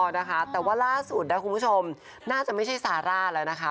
นะคะแต่ว่าล่าสุดนะคุณผู้ชมน่าจะไม่ใช่ซาร่าแล้วนะคะ